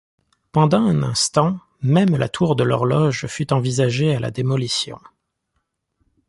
Pendant un instant, même la tour de l'horloge fut envisagée à la démolition.